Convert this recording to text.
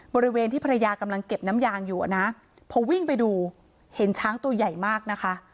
บริเวณที่ภรรยากำลังเก็บน้ำยางอยู่อ่ะนะพอวิ่งไปดูเห็นช้างตัวใหญ่มากนะคะ